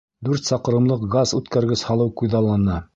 Дүрт саҡрымлыҡ газ үткәргес һалыу күҙаллана.